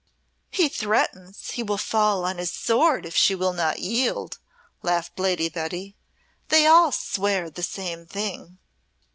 "He threatens he will fall on his sword if she will not yield," laughed Lady Betty. "They all swear the same thing."